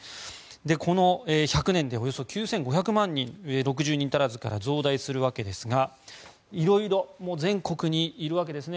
この１００年でおよそ９５００万人６０人足らずから増大するわけですが色々と全国にいるわけですね。